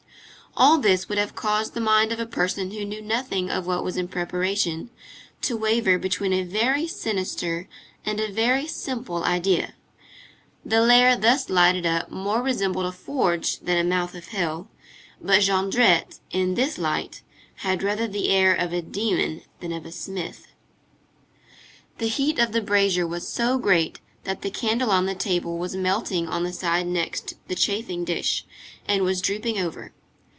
All this would have caused the mind of a person who knew nothing of what was in preparation, to waver between a very sinister and a very simple idea. The lair thus lighted up more resembled a forge than a mouth of hell, but Jondrette, in this light, had rather the air of a demon than of a smith. The heat of the brazier was so great, that the candle on the table was melting on the side next the chafing dish, and was drooping over.